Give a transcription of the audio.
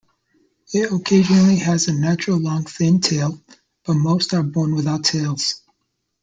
It occasionally has a natural long thin tail, but most are born without tails.